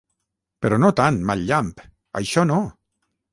… però no tant, mal llamp! això no!